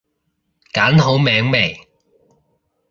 揀好名未？